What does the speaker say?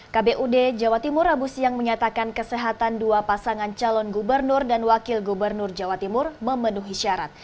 kbud jawa timur rabu siang menyatakan kesehatan dua pasangan calon gubernur dan wakil gubernur jawa timur memenuhi syarat